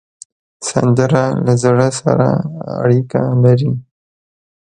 سندره له زړه سره اړیکه لري